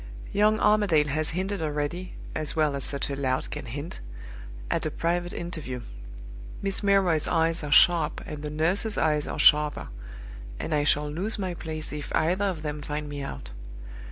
Young Armadale has hinted already, as well as such a lout can hint, at a private interview! Miss Milroy's eyes are sharp, and the nurse's eyes are sharper; and I shall lose my place if either of them find me out.